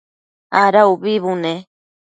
Ada ubi bune?